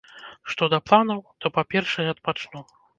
Што да планаў, то па-першае, адпачну.